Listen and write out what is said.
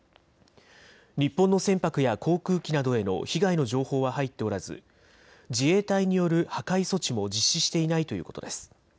日本の船舶や航空機などへの被害の情報は入っておらず自衛隊による破壊措置も実施していないということです。